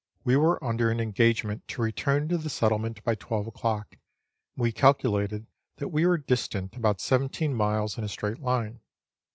We were under an engagement to return to the settlement by twelve o'clock, and we calculated that we were distant about seventeen miles in a straight line.